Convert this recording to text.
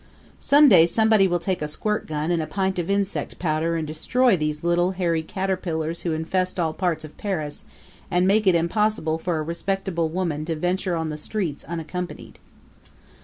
Some day somebody will take a squirt gun and a pint of insect powder and destroy these little, hairy caterpillars who infest all parts of Paris and make it impossible for a respectable woman to venture on the streets unaccompanied.